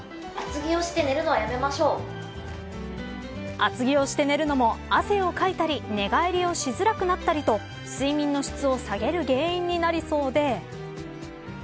厚着をして寝るのも汗をかいたり寝返りをしづらくなったりと睡眠の質を下げる原因になるそうで。